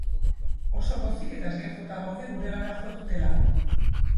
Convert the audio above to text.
Oso pozik eta eskertuta gaude guregana jo dutelako.